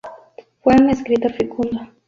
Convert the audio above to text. Fue un escritor fecundo.